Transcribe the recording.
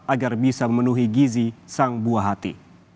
agar bisa memenuhi gizi sang buah hati